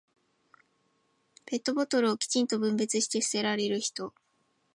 ペットボトルをきちんと分別して捨てられる人。